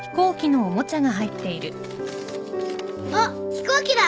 あっ飛行機だ！